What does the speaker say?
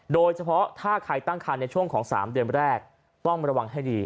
โดยเฉพาะถ้าใครตั้งคันในช่วงของ๓เดือนแรกต้องระวังให้ดี